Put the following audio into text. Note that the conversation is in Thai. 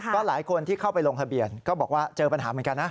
ก็หลายคนที่เข้าไปลงทะเบียนก็บอกว่าเจอปัญหาเหมือนกันนะ